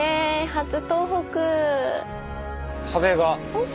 初東北。